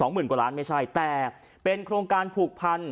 หมื่นกว่าล้านไม่ใช่แต่เป็นโครงการผูกพัน